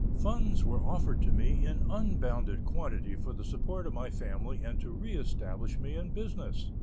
Funds were offered to me in unbounded quantity for the support of my family and to re establish me in business.